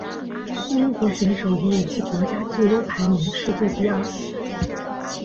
英国选手也以其国家纪录排名世界第二。